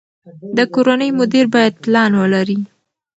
د کورنۍ مدیر باید پلان ولري.